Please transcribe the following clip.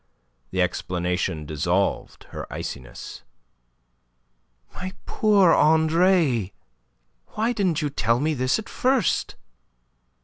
The explanation dissolved her iciness. "My poor Andre, why didn't you tell me this at first?"